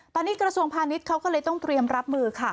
ตอนนี้กระทรวงพาณิชย์เขาก็เลยต้องเตรียมรับมือค่ะ